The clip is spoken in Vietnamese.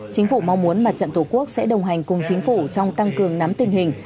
chính phủ mong muốn mặt trận tổ quốc sẽ đồng hành cùng chính phủ trong tăng cường nắm tình hình